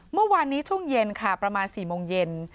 เมื่อวานนี้ช่วงเย็นค่ะประมาณ๔โมงเย็น